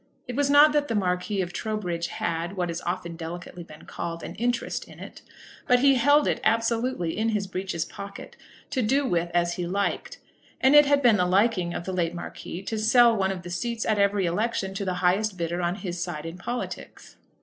It was not that the Marquis of Trowbridge had, what has often delicately been called, an interest in it; but he held it absolutely in his breeches pocket, to do with it as he liked; and it had been the liking of the late Marquis to sell one of the seats at every election to the highest bidder on his side in politics.